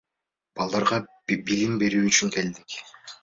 Балдарга билим берүү үчүн келдик.